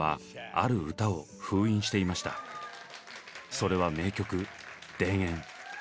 それは名曲「田園」。